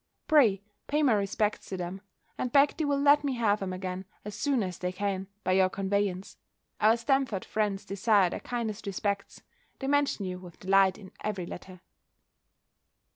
Pray, pay my respects to them: and beg they'll let me have 'em again as soon as they can, by your conveyance. Our Stamford friends desire their kindest respects; they mention you with delight in every letter.